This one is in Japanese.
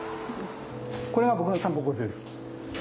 これが僕の散歩コースです。